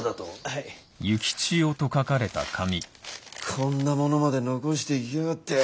こんなものまで残していきやがって！